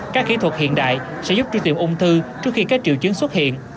các kỹ thuật hiện đại sẽ giúp truy tìm ung thư trước khi các triệu chứng xuất hiện